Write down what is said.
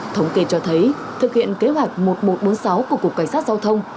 thống kê cho thấy thực hiện kế hoạch một nghìn một trăm bốn mươi sáu của cục cảnh sát giao thông